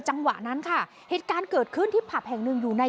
จังหวะนั้นค่ะเหตุการณ์เกิดขึ้นที่ผับแห่งหนึ่งอยู่ใน